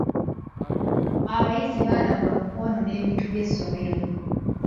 Abayizi baalabulwa ku kwonoona ebintu by'essomero.